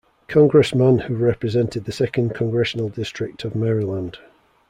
Congressman who represented the second Congressional district of Maryland.